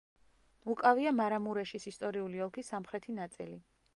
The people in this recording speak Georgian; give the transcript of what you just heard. უკავია მარამურეშის ისტორიული ოლქის სამხრეთი ნაწილი.